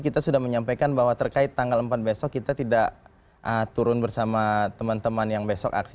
kita sudah menyampaikan bahwa terkait tanggal empat besok kita tidak turun bersama teman teman yang besok aksi